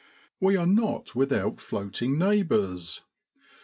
We are not without floating neighbours.